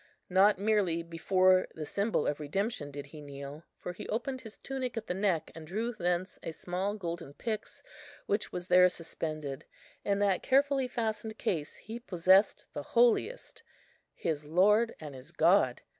Not merely before the symbol of redemption did he kneel; for he opened his tunic at the neck, and drew thence a small golden pyx which was there suspended. In that carefully fastened case he possessed the Holiest, his Lord and his God.